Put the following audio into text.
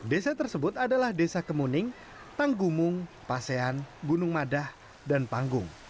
desa tersebut adalah desa kemuning tanggumung pasean gunung madah dan panggung